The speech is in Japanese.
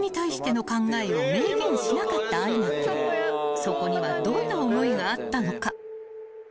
［そこにはどんな思いがあったのか］